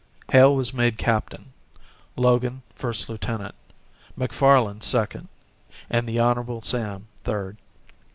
Hale was made captain, Logan first lieutenant, Macfarlan second, and the Hon. Sam third.